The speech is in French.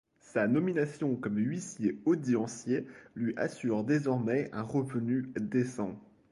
Sa nomination comme huissier audiencier lui assure désormais un revenu décent.